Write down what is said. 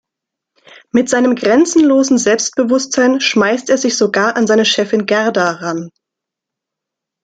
Mit seinem grenzenlosen Selbstbewusstsein schmeißt er sich sogar an seine Chefin Gerda ran.